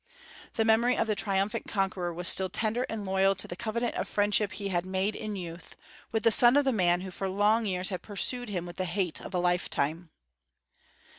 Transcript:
The memory of the triumphant conqueror was still tender and loyal to the covenant of friendship he had made in youth, with the son of the man who for long years had pursued him with the hate of a lifetime.